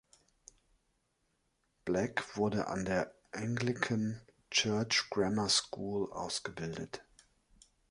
Black wurde an der Anglican Church Grammar School ausgebildet.